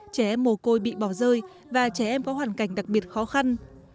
trẻ em mồ côi bị bỏ rơi và trẻ em có hoàn cảnh đặc biệt khó khăn